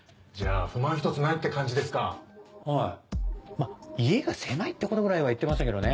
まぁ家が狭いってことくらいは言ってましたけどね。